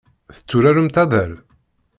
Tetturaremt addal?